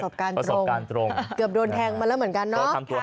ประสบการณ์ตรงเกือบโดนแทงมาแล้วเหมือนกัน